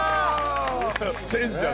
千ちゃん